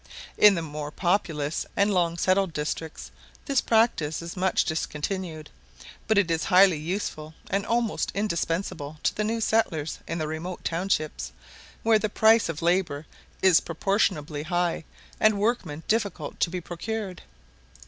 In the more populous and long settled districts this practice is much discontinued, but it is highly useful, and almost indispensable to the new settlers in the remote townships, where the price of labour is proportionably high, and workmen difficult to be procured.